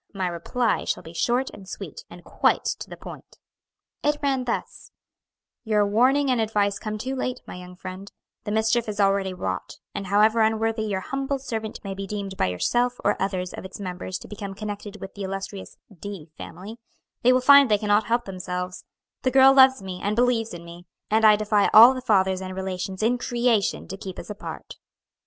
My reply shall be short and sweet, and quite to the point." It ran thus: "Your warning and advice come too late, my young friend; the mischief is already wrought, and however unworthy your humble servant may be deemed by yourself or others of its members to become connected with the illustrious D family, they will find they cannot help themselves; the girl loves me, and believes in me, and I defy all the fathers and relations in creation to keep us apart."